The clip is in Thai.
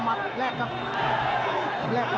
มัดแลกกับ